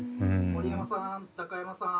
森山さん